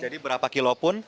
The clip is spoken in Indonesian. jadi berapa kilo pun